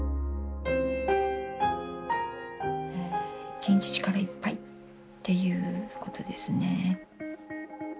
「１日力いっぱい」っていうことですね。